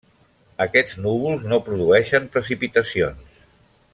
Aquests núvols no produeixen precipitacions.